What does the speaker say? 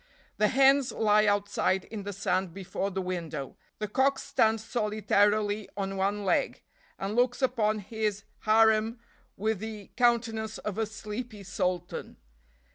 The hens lie outside in the sand before the window, the cock stands solitarily on one leg, and looks upon his harem with the countenance of a sleepy sultan.